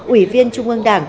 ủy viên trung ương đảng